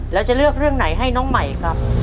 แล้วจะเลือกเรื่องไหนให้น้องใหม่ครับ